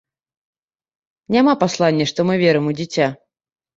Няма паслання, што мы верым у дзіця.